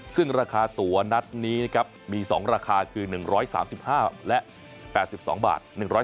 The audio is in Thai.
ซึ่งราคาตัวนัดนี้นะครับมี๒ราคาคือ๑๓๕และ๘๒บาท